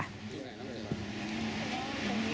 อยู่ไหนนั่นไหนบ้าง